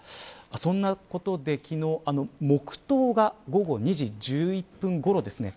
そんなことで昨日、黙とうが午後２時１１分ごろですね。